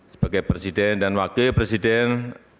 sebagai presiden dan wakil presiden